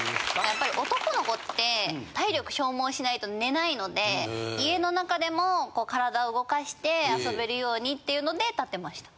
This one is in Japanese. やっぱり男の子って体力消耗しないと寝ないので家の中でも体を動かして遊べるようにっていうので建てました。